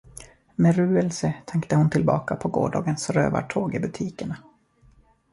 Med ruelse tänkte hon tillbaka på gårdagens rövartåg i butikerna.